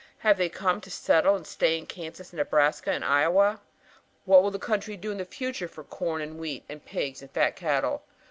Have they come to settle and stay in Kansas and Nebraska and Iowa? What will the country do in the future for corn and wheat and pigs and fat cattle?